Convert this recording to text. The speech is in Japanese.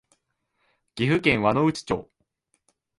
岐阜県輪之内町